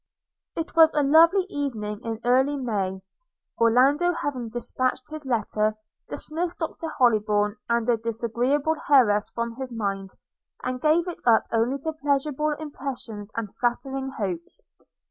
It was a lovely evening in early May. Orlando, having dispatched his letter, dismissed Dr Hollybourn and the disagreeable heiress from his mind, and gave it up only to pleasurable impressions and flattering hopes.